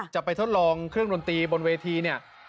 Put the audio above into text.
ไปทดลองเครื่องดนตรีบนเวทีเนี่ย